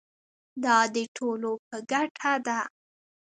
دا د ټولو په ګټه ده.